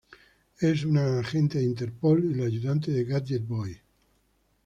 Es una agente de Interpol y la ayudante de Gadget Boy.